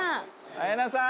「綾菜さん！」